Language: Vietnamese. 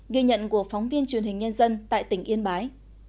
ghi nhận của phóng viên truyền hình nhân dân tại tỉnh yên bái